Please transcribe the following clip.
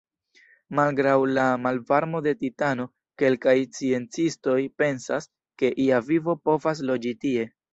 Malgraŭ la malvarmo de Titano, kelkaj sciencistoj pensas, ke ia vivo povas loĝi tie.